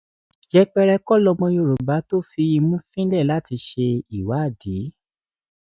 Yẹpẹrẹ kọ́ lọ́mọ Yorùbá tó fi imú fínlẹ̀ láti ṣe ìwádìí